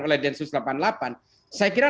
oleh densus delapan puluh delapan saya kira